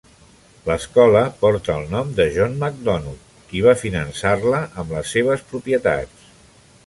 L'escola porta el nom de John McDonogh, qui va finançar-la amb les seves propietats.